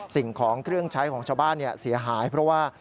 สิ่งของเครื่องใช้ของชาวบ้านเสียหายเพราะว่า